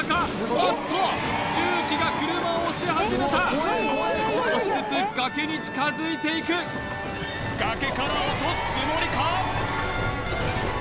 おっと重機が車を押し始めた少しずつ崖に近づいていく崖から落とすつもりか！？